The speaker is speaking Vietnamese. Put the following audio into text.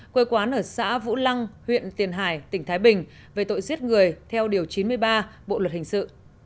quê quán ở xã vũ lăng huyện tiền hải tỉnh thái bình về tội giết người theo điều chín mươi ba bộ luật hình sự